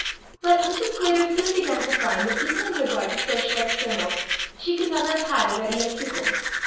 But Mrs. Sclater soon began to find that even in regard to social externals, she could never have had a readier pupil.